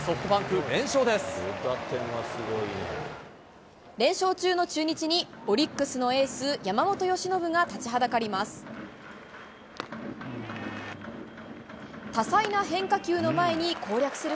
連勝中の中日に、オリックスのエース、山本由伸が立ちはだかります。